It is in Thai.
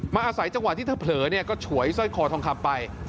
อาศัยจังหวะที่เธอเผลอก็ฉวยสร้อยคอทองคำไป